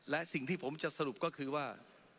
และสิ่งที่ผมจะสรุปก็คือว่า